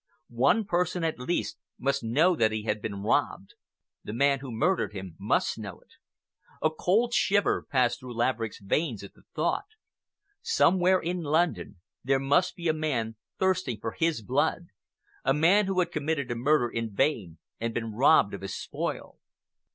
One person at least must know that he had been robbed—the man who murdered him must know it. A cold shiver passed through Laverick's veins at the thought. Somewhere in London there must be a man thirsting for his blood, a man who had committed a murder in vain and been robbed of his spoil.